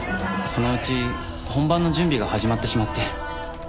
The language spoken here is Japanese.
そのうち本番の準備が始まってしまって。